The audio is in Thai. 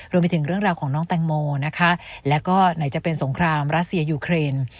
รวมไปถึงเรื่องราวของน้องแตงโมนะคะแล้วก็ไหนจะเป็นสงครามรัสเซียยูเครน